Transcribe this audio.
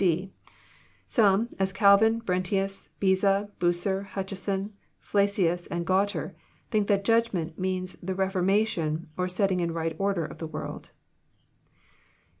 (d) Some, as Calvin, Brentius, Beza, Bucer, Hutcheson, Flacius, andGualter, think that *< judgment" means the reforma tion, or setting In right order of the world.